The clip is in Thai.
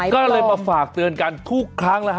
ก็เลยมาฝากเตือนกันทุกครั้งนะฮะ